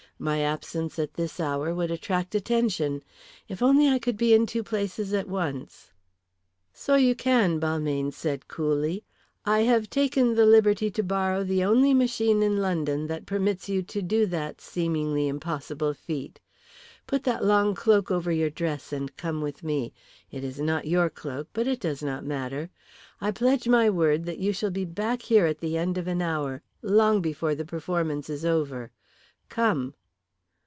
My absence at this hour would attract attention. If I could only be in two places at once!" "So you can," Balmayne said coolly. "I have taken the liberty to borrow the only machine in London that permits you to do that seemingly impossible feat. Put that long cloak over your dress and come with me. It is not your cloak, but it does not matter. I pledge my word that you shall be back here at the end of an hour long before the performance is over. Come."